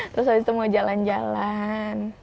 terus habis itu mau jalan jalan